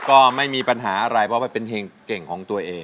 ก็ไม่มีปัญหาอะไรเพราะว่าเป็นเพลงเก่งของตัวเอง